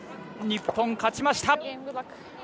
日本、勝ちました！